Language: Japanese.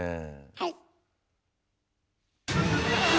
はい。